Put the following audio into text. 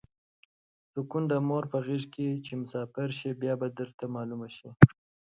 سوکون د مور په غیګه ده چی مسافر شی بیا به درته معلومه شی